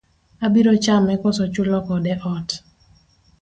Abiro chame kose chulo kode ot?